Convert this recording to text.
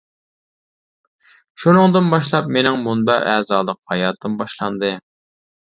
شۇنىڭدىن باشلاپ مېنىڭ مۇنبەر ئەزالىق ھاياتىم باشلاندى.